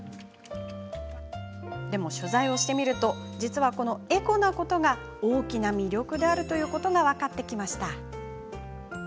でも、取材をしてみると実は、エコなことが大きな魅力だということが分かってきました。